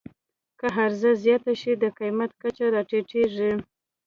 که عرضه زیاته شي، د قیمت کچه راټیټېږي.